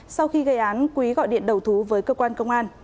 sau khi gây án quý gọi điện đầu thú với cơ quan công an